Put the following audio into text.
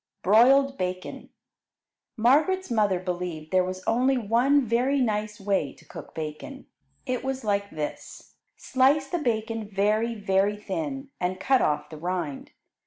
Broiled Bacon Margaret's mother believed there was only one very nice way to cook bacon. It was like this: Slice the bacon very, very thin, and cut off the rind.